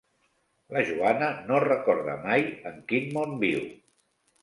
La Joana no recorda mai en quin món viu.